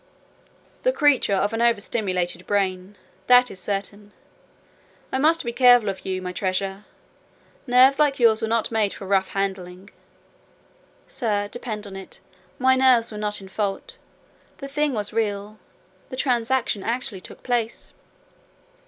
"The creature of an over stimulated brain; that is certain. I must be careful of you, my treasure: nerves like yours were not made for rough handling." "Sir, depend on it, my nerves were not in fault; the thing was real: the transaction actually took place."